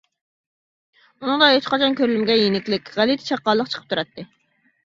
ئۇنىڭدا ھېچقاچان كۆرۈلمىگەن يېنىكلىك، غەلىتە چاققانلىق چىقىپ تۇراتتى.